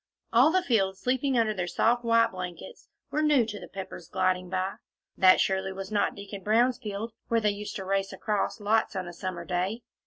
All the fields sleeping under their soft, white blankets, were new to the Peppers gliding by. That surely was not Deacon Brown's field, where they used to race across lots, on a summer day!